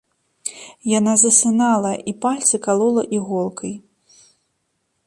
Яна засынала і пальцы калола іголкай.